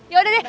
ya udah deh